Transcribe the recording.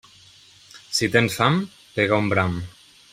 Si tens fam, pega un bram.